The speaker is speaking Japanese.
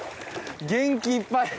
元気いっぱい。